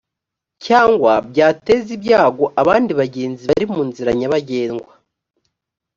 cyangwa byateza ibyago abandi bagenzi bari mu nzira nyabagendwa